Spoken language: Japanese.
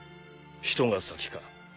人が先か？